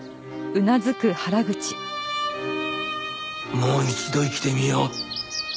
もう一度生きてみよう。